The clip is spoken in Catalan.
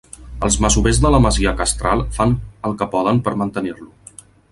Els masovers de la masia castral fan el que poden per a mantenir-lo.